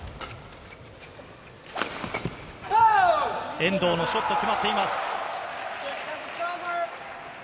遠藤のショット、決まっています。